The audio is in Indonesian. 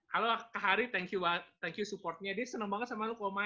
halo kak hari thank you support nya dia seneng banget sama lu mau main katanya